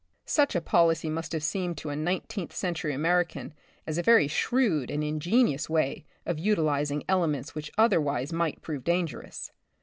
Such a policy must have seemed to a nineteenth century American as a very shrewd and ingenious way of utilizing elements which otherwise might prove dangerous.